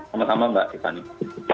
sama sama mbak tiffany